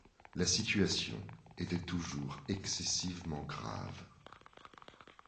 La situation était toujours excessivement grave.